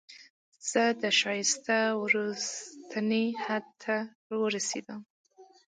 زه د ښایست وروستني حد ته ورسیدم